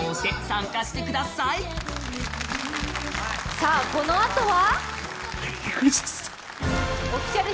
さあこのあとは？